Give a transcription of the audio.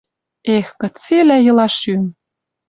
Эх, кыцелӓ йыла шӱм!..